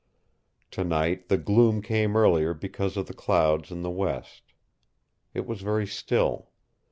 Tonight the gloom came earlier because of the clouds in the west. It was very still.